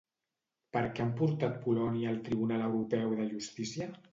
Per què han portat Polònia al Tribunal Europeu de Justícia?